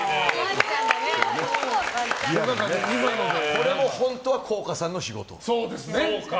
これも本当は効果さんの仕事。